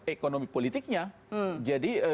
ekonomi politiknya jadi